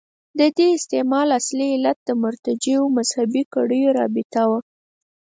د دې استعمال اصلي علت د مرتجعو مذهبي کړیو رابطه وه.